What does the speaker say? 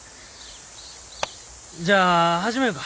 じゃあ始みょうか。